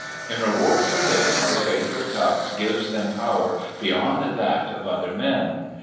In reward for this, the sacred Cup gives them power beyond that of other men.